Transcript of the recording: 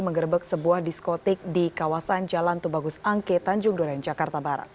mengerebek sebuah diskotik di kawasan jalan tubagus angke tanjung duren jakarta barat